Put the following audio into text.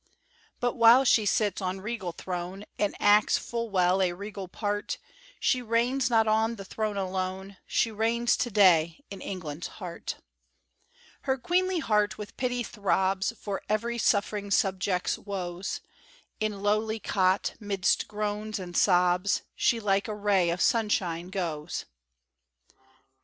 But while she sits on regal throne, And acts full well a regal part, She reigns not on the throne alone, She reigns to day in England's heart. Her queenly heart with pity throbs For every suffering subject's woes; In lowly cot, 'midst groans and sobs, She like a ray of sunshine goes.